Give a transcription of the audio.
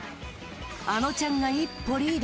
あのちゃんが一歩リード。